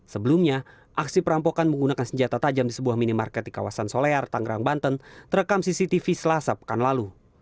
sebelumnya aksi perampokan menggunakan senjata tajam di sebuah minimarket di kawasan solear tangerang banten terekam cctv selasa pekan lalu